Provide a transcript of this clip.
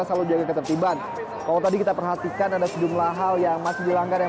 serius ini sudahulation ya